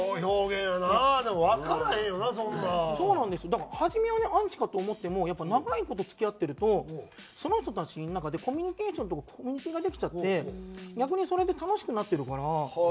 だから初めはアンチかと思ってもやっぱ長い事付き合ってるとその人たちの中でコミュニケーションとかコミュニティーができちゃって逆にそれで楽しくなってるから。